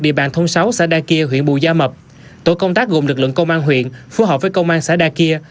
đồng bằng thông sáu xã đa kia huyện bùi gia mập tổ công tác gồm lực lượng công an huyện phù hợp với công an xã đa kia